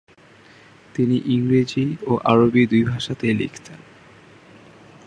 তিনি ইংরেজি ও আরবি দুই ভাষাতেই লিখতেন।